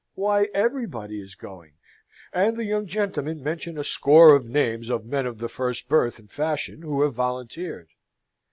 Why, everybody is going; and the young gentlemen mention a score of names of men of the first birth and fashion who have volunteered.